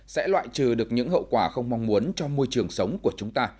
sẽ loại trừ được những hậu quả không mong muốn cho môi trường sống của chúng ta